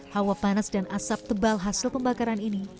hawa panas dan asap tebal hasil pembakaran ini